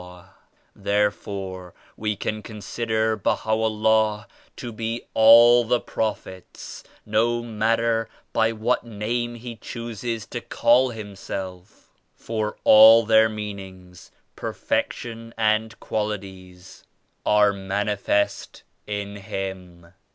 ei Therefore we can consider BahaVllah to be all the Prophets, no matter by what Name He chooses to call Himself; for all their meanings, perfection and qualities are manifest in Him.